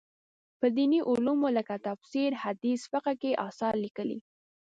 په دیني علومو لکه تفسیر، حدیث، فقه کې یې اثار لیکلي.